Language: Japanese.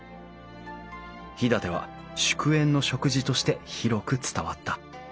飛騨では祝宴の食事として広く伝わった。